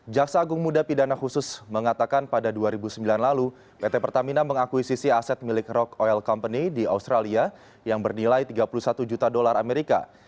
jaksa agung muda pidana khusus mengatakan pada dua ribu sembilan lalu pt pertamina mengakuisisi aset milik rock oil company di australia yang bernilai tiga puluh satu juta dolar amerika